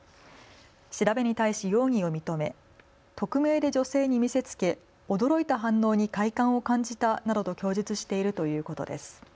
調べに対し容疑を認め匿名で女性に見せつけ、驚いた反応に快感を感じたなどと供述しているということです。